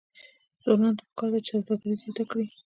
ځوانانو ته پکار ده چې، سوداګري زیاته کړي.